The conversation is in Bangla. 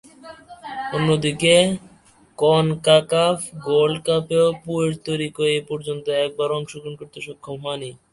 অন্যদিকে, কনকাকাফ গোল্ড কাপেও পুয়ের্তো রিকো এপর্যন্ত একবারও অংশগ্রহণ করতে সক্ষম হয়নি।